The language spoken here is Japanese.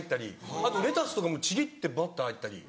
あとレタスとかもちぎってバッと入ったり。